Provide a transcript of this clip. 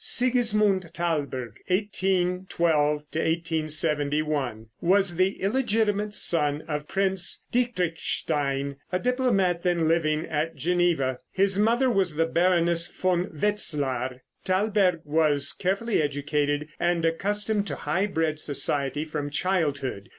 Sigismund Thalberg (1812 1871) was the illegitimate son of Prince Dietrichstein, a diplomat then living at Geneva. His mother was the Baroness von Wetzlar. Thalberg was carefully educated, and accustomed to high bred society from childhood.